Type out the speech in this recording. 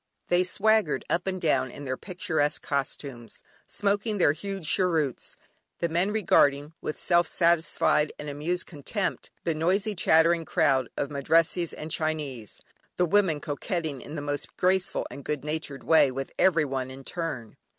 They swaggered up and down in their picturesque costumes, smoking their huge cheroots, the men regarding with self satisfied and amused contempt the noisy chattering crowd of Madrassees and Chinese, the women coquetting in the most graceful and goodnatured way with everyone in turn.